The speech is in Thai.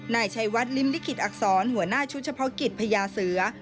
นายชัยวัดริมลิขิตอักษรหัวหน้าชุดเฉพาะกิจพญาเสือ